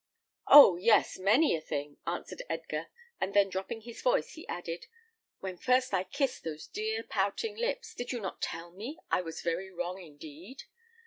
"Oh! yes, many a thing," answered Edgar; and then dropping his voice, he added: "When first I kissed those dear pouting lips, did you not tell me I was very wrong indeed?